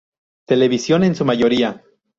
Televisión en su mayoría.